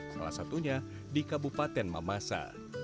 salah satunya di kabupaten mamasa